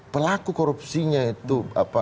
pelaku korupsinya itu